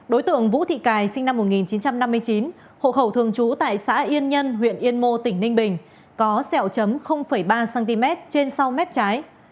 đối tượng vũ thị cài sinh năm một nghìn chín trăm năm mươi chín hộ khẩu thường trú tại xã yên nhân huyện yên mô tỉnh ninh bình có sẹo chấm ba cm trên sau mép trái